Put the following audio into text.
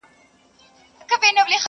اوبه د سر د پاله خړېږي.